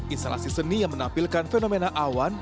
instalasi seni yang menampilkan fenomena awan hujan dan salju